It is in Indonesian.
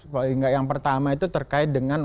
paling gak yang pertama itu terkait dengan